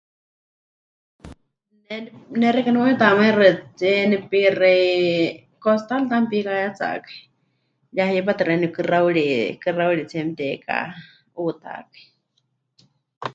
Ne, ne xeikɨ́a nemeuyutamaixɨatsie nepixei, costalta mepikayáyatsakai, ya hipátɨ ta kɨxauri, kɨxauritsie mete'ika'uutakai.